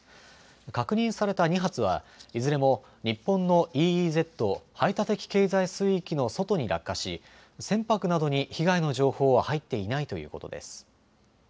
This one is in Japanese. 確認された２発は、いずれも日本のＥＥＺ・排他的経済水域の外に落下し、船舶などに被害の情報は入っていないということです。